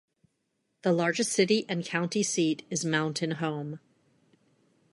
The largest city and county seat is Mountain Home.